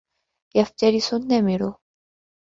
يَفْتَرِسُ النَّمِرُ.